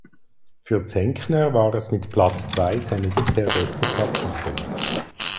Für Zenkner war es mit Platz zwei seine bisher beste Platzierung.